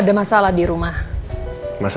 rasa aku tenang